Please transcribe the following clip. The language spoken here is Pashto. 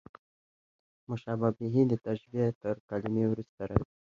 مشبه به، د تشبېه تر کلمې وروسته راځي.